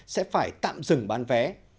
sẽ phải tạm dừng bán vé